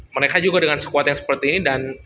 mereka juga dengan sekuat yang seperti ini dan